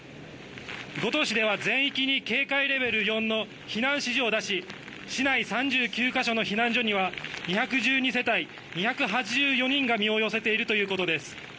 五島市では全域に警戒レベル４の避難指示を出し市内３９か所の避難所には２１２世帯２８４人が身を寄せているということです。